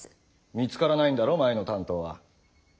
見つからないんだろ前の担当は。